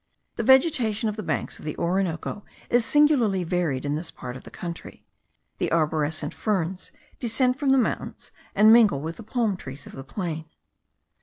The vegetation of the banks of the Orinoco is singularly varied in this part of the country; the aborescent ferns* descend from the mountains, and mingle with the palm trees of the plain.